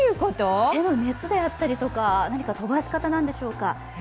手の熱であったりとか何か飛ばし方なんでしょうか？